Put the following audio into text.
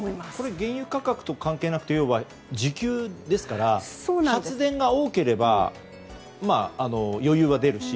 原油価格と関係なくというのは自給ですから発電が多ければ余裕は出るし。